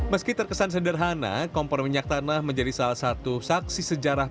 meski terkesan sederhana kompor minyak tanah menjadi salah satu saksi sejarah